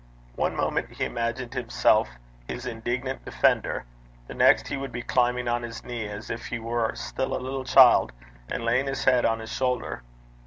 One moment he imagined himself his indignant defender, the next he would be climbing on his knee, as if he were still a little child, and laying his head on his shoulder.